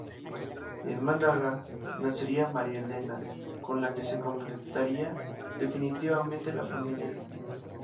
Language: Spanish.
En Málaga nacería María Elena, con la que se completaría definitivamente la familia.